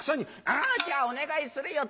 「あぁじゃあお願いするよ」と。